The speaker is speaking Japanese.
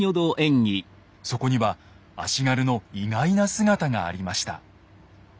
そこには足軽の意外な姿がありました。